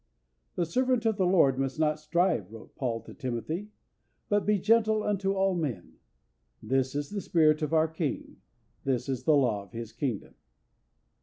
"The servant of the Lord must not strive," wrote Paul to Timothy, "but be gentle unto all men." This is the spirit of our King, this is the law of His Kingdom.